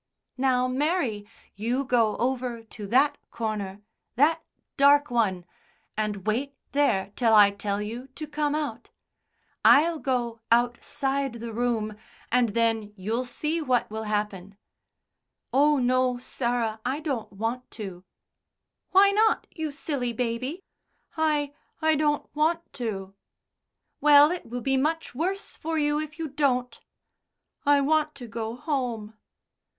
"Now, Mary, you go over to that corner that dark one and wait there till I tell you to come out. I'll go outside the room, and then you'll see what will happen." "Oh, no, Sarah, I don't want to." "Why not, you silly baby?" "I I don't want to." "Well, it will be much worse for you if you don't." "I want to go home."